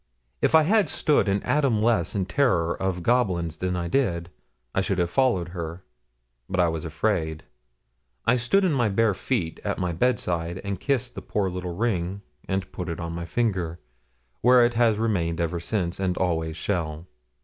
If I had stood an atom less in terror of goblins than I did, I should have followed her, but I was afraid. I stood in my bare feet at my bedside, and kissed the poor little ring and put it on my finger, where it has remained ever since and always shall.